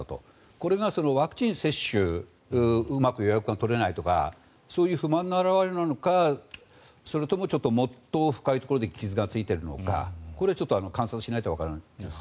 これがワクチン接種うまく予約が取れないとかそういう不満の表れなのかそれとももっと深いところで傷がついているのかこれは見てみないとわからないです。